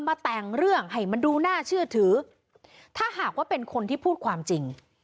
มาแต่งเรื่องให้มันดูน่าเชื่อถือถ้าหากว่าเป็นคนที่พูดความจริง